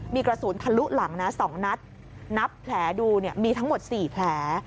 มีกระสุนทะลุหลังนะ๒นัดนับแผลดูมีทั้งหมด๔แผล